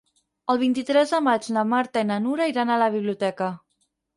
El vint-i-tres de maig na Marta i na Nura iran a la biblioteca.